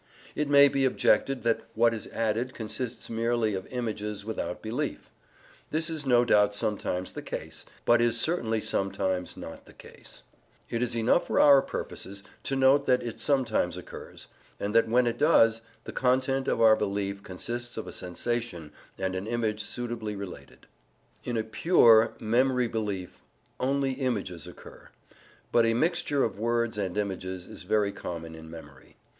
It may be objected that what is added consists merely of images without belief. This is no doubt sometimes the case, but is certainly sometimes not the case. That belief always occurs in perception as opposed to sensation it is not necessary for us to maintain; it is enough for our purposes to note that it sometimes occurs, and that when it does, the content of our belief consists of a sensation and an image suitably related. In a PURE memory belief only images occur. But a mixture of words and images is very common in memory.